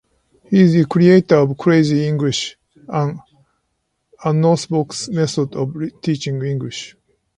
He is the creator of "Crazy English", an unorthodox method of teaching English.